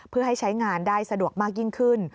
เพื่อให้ใช้งานได้สะดวกมากยิ่งขึ้น